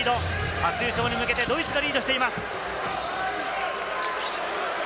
初優勝に向けてドイツがリードしています。